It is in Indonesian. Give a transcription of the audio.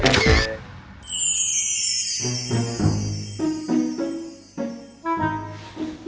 satu dua tiga